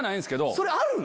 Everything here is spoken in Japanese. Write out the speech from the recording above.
それあるの？